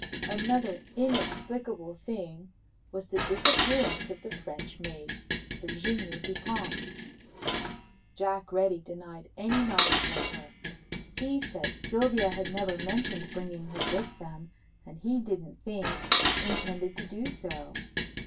Another inexplicable thing was the disappearance of the French maid, Virginia Dupont. Jack Reddy denied any knowledge of her. He said Sylvia had never mentioned bringing her with them and he didn't think intended to do so.